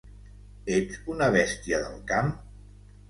Ets una bèstia del camp?